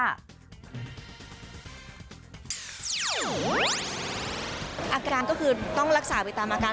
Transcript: อาการก็คือต้องรักษาไปตามอาการ